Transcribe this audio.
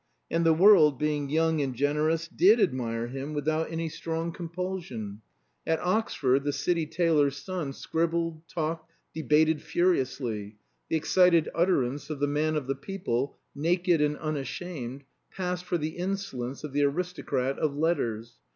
And the world, being young and generous, did admire him without any strong compulsion. At Oxford the City tailor's son scribbled, talked, debated furiously; the excited utterance of the man of the people, naked and unashamed, passed for the insolence of the aristocrat of letters.